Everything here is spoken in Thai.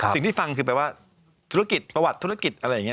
สิ่งที่ฟังคือแปลว่าธุรกิจประวัติธุรกิจอะไรอย่างนี้